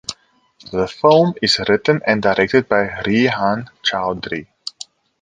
The film is written and directed by Rehan Chaudhary.